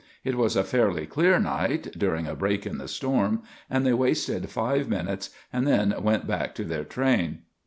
It was a fairly clear night, during a break in the storm, and they wasted five minutes and then went back to their train.